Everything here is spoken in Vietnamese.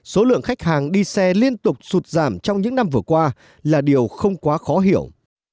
số lượng khách hàng đi xe liên tục sụt giảm trong những năm vừa qua là điều không quá khó hiểu